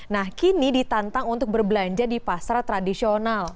nah kini ditantang untuk berbelanja di pasar tradisional